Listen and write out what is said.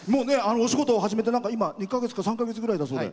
お仕事始めて今１か月か３か月ぐらいだそうで。